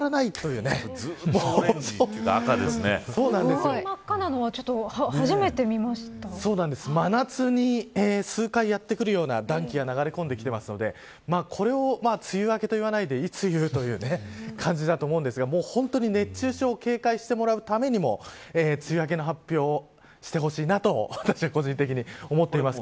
こんなに真っ赤なのは真夏に数回やってくるような暖気が流れ込んできているのでこれを梅雨明けと言わないでいつ言うという感じだと思うんですが本当に熱中症に警戒してもらうためにも梅雨明けの発表をしてほしいなと私は個人的に思っています。